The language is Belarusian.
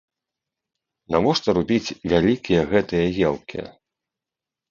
Навошта рубіць вялікія гэтыя елкі.